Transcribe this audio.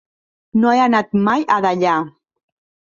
No he anat mai a Deià.